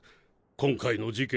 今回の事件